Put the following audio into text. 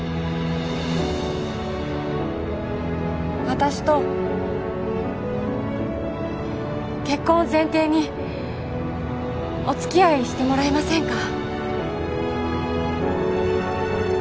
私と結婚を前提にお付き合いしてもらえませんか？